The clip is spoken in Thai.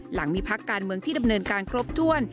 หลังมีพักการเมืองที่ดำเนินการครบถ้วน